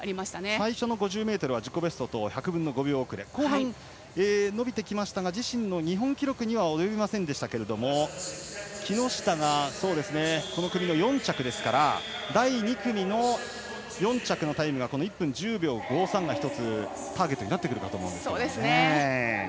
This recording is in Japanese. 最初の５０ｍは自己ベストより１００分の５秒遅れ後半、伸びてきましたが自身の日本記録には及びませんでしたけども木下がこの組の４着ですから第２組の４着のタイムが１分１０秒５３というのがターゲットになるかと思います。